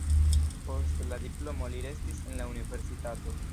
Post la diplomo li restis en la universitato.